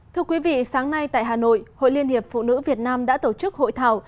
thưa quý vị sáng nay tại hà nội hội liên hiệp phụ nữ việt nam đã tổ chức hội thảo